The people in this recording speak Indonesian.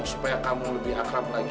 supaya kamu lebih akrab lagi